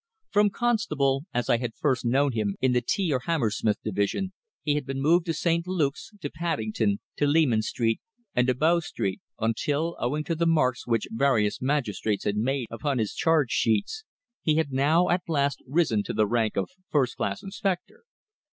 From constable, as I had first known him in the T or Hammersmith Division, he had been moved to St. Luke's, to Paddington, to Leman Street and to Bow Street, until, owing to the marks which various magistrates had made upon his charge sheets, he had now at last risen to the rank of first class inspector.